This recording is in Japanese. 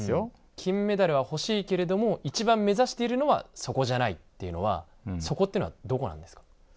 金メダルは欲しいけれどもいちばん目指しているのはそこじゃないっていうのは「そこ」っていうのはどこなんですか？